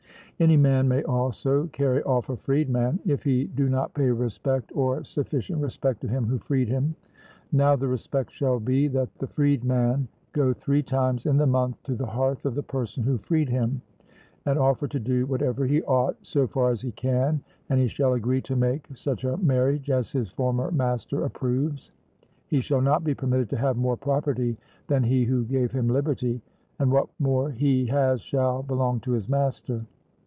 Any man may also carry off a freedman, if he do not pay respect or sufficient respect to him who freed him. Now the respect shall be, that the freedman go three times in the month to the hearth of the person who freed him, and offer to do whatever he ought, so far as he can; and he shall agree to make such a marriage as his former master approves. He shall not be permitted to have more property than he who gave him liberty, and what more he has shall belong to his master.